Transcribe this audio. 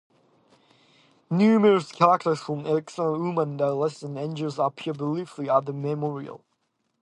Numerous characters from "Excellent Women" and "Less than Angels" appear briefly at the memorial.